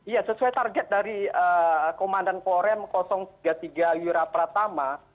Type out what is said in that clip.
iya sesuai target dari komandan korem tiga puluh tiga yura pratama